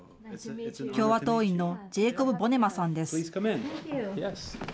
共和党員のジェーコブ・ボネマさんです。